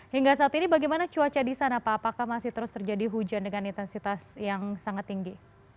hingga saat ini bagaimana cuaca di sana pak apakah masih terus terjadi hujan dengan intensitas yang sangat tinggi